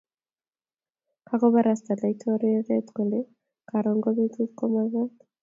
kakobarasta laitoriante kule karon ko betutab kamung'et